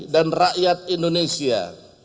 dan rakyat indonesia